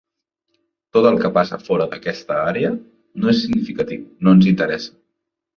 Tot el que passa fora d'aquesta àrea no és significatiu, no ens interessa.